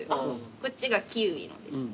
こっちがキウイのですね。